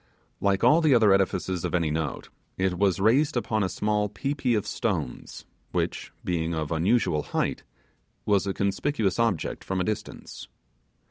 Like all the other edifices of any note, it was raised upon a small pi pi of stones, which, being of unusual height, was a conspicuous object from a distance.